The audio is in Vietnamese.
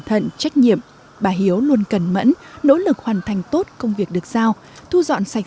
thận trách nhiệm bà hiếu luôn cẩn mẫn nỗ lực hoàn thành tốt công việc được giao thu dọn sạch